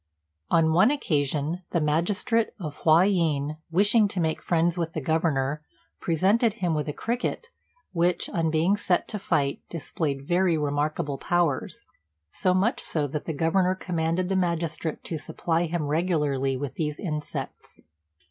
On one occasion the magistrate of Hua yin, wishing to make friends with the Governor, presented him with a cricket which, on being set to fight, displayed very remarkable powers; so much so that the Governor commanded the magistrate to supply him regularly with these insects.